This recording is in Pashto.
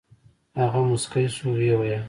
هغه موسكى سو ويې ويل.